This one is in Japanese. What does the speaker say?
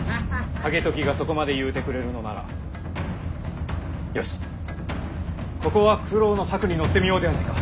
景時がそこまで言うてくれるのならよしここは九郎の策に乗ってみようではないか。